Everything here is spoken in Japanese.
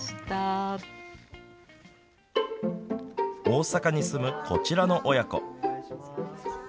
大阪に住むこちらの親子。